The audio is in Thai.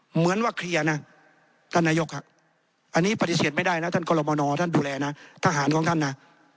เหมือนว่าเคลียร์นะท่านนายกอันนี้ปฏิเสธไม่ได้นะท่านกรมนท่านดูแลนะทหารของท่านนะ